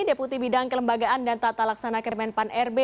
deputi bidang kelembagaan dan tata laksana kemenpan rb